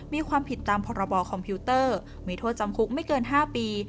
มีความผิดตามพรบคอมพิวเตอร์มีโทษจำคุกไม่เกิน๕ปี